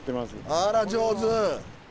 あら上手！